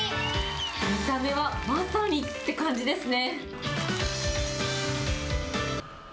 見た目はまさにっていう感じですね。